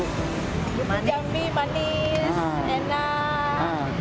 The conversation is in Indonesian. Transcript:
jambi manis enak